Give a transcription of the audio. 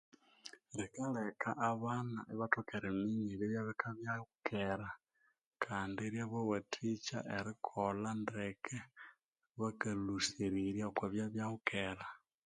Bikaleka abana ibathoka eriminya ebyabya bikabyaho kera kandi iryabawathikya erikolha ndeke bakalhusirirya okwa byabyaho kera.